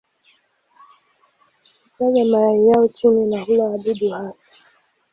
Hutaga mayai yao chini na hula wadudu hasa.